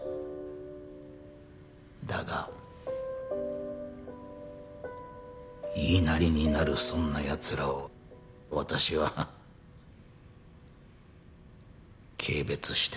だが言いなりになるそんな奴らを私は軽蔑してる。